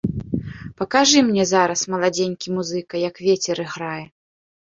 Пакажы мне зараз, маладзенькі музыка, як вецер іграе!